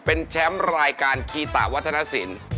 เป็นแชมป์รายการคีตะวัฒนศิลป์